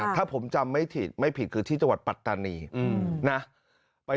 ถ้าผมจำไม่ผิดไม่ผิดคือที่จังหวัดปัตตานีนะ